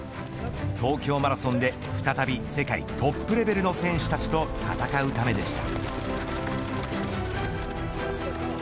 東京マラソンで再び世界トップレベルの選手たちと戦うためでした。